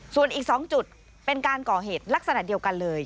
ส่วนอีก๒จุดเป็นการก่อเหตุลักษณะเดียวกันเลย